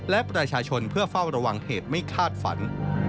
และประชาชนเพื่อเฝ้าระวังเหตุไม่คาดฝัน